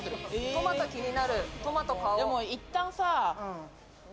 トマト気になるトマト買おう。